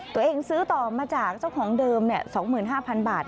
ซื้อต่อมาจากเจ้าของเดิม๒๕๐๐๐บาท